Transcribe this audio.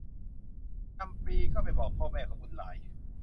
จำปีก็ไปบอกพ่อแม่ของบุญหลาย